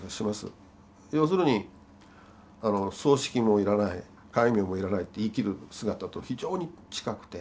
要するに葬式も要らない戒名も要らないって言い切る姿と非常に近くて。